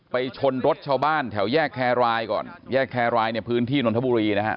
ชนรถชาวบ้านแถวแยกแครรายก่อนแยกแครรายในพื้นที่นนทบุรีนะฮะ